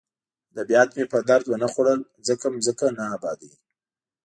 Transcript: ادبیات مې په درد ونه خوړل ځکه ځمکه نه ابادوي